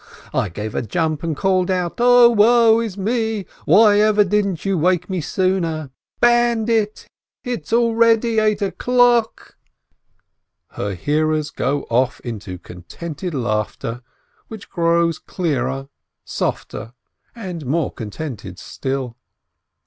I gave a jump and called out, 0 woe is me, why ever didn't you wake me sooner? Bandit! It's already eight o'clock!" Her hearers go off into contented laughter, which grows clearer, softer, more contented still.